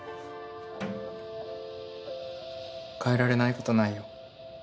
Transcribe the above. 変えられないことないよ。